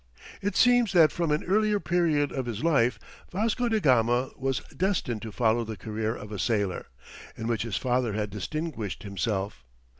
It seems that from an early period of his life, Vasco da Gama was destined to follow the career of a sailor, in which his father had distinguished himself.